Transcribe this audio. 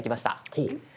ほう！